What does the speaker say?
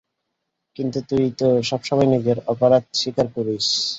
কিন্তু তুই তো সবসময় নিজের অপরাধ স্বীকার করিস।